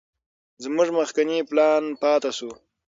زموږ مخکينى پلان پاته سو.